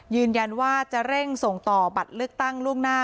ยืนยันว่าจะเร่งส่งต่อบัตรเลือกตั้งล่วงหน้า